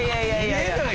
見えない